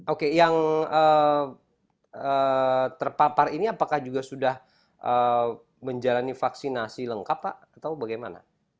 oke yang terpapar ini apakah juga sudah menjalani vaksinasi lengkap pak atau bagaimana